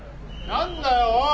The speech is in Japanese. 何だよおい！